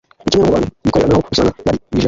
Nikimwe nomubantu bikorera nabo usanga barigwijeho